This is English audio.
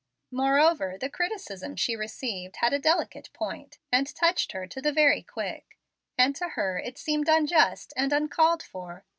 Moreover, the criticism she received had a delicate point, and touched her to the very quick; and to her it seemed unjust and uncalled for.